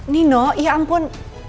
nino ya ampun